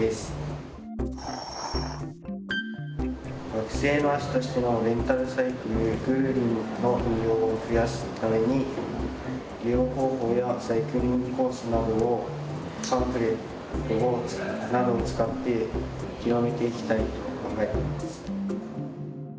学生の足としてのレンタサイクル「ぐるりん」の運用を増やすために利用方法やサイクリングコースなどをパンフレットなどを使って広めていきたいと考えています。